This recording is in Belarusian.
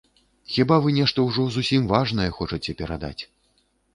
Хіба, вы нешта ўжо зусім важнае хочаце перадаць.